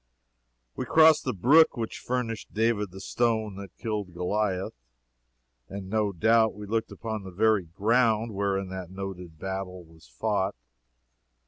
We crossed the brook which furnished David the stone that killed Goliah, and no doubt we looked upon the very ground whereon that noted battle was fought.